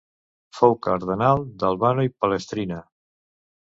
Fou cardenal d'Albano i Palestrina.